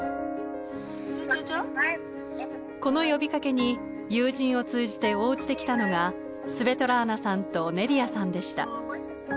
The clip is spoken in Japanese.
この呼びかけに友人を通じて応じてきたのがスヴェトラーナさんとネリアさんでした。